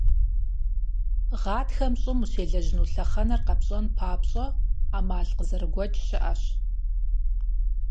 Гъатхэм щӀым ущелэжьыну лъэхъэнэр къэпщӀэн папщӀэ, Ӏэмал къызэрыгуэкӀ щыӀэщ.